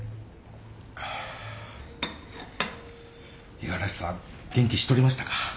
五十嵐さん元気しとりましたか？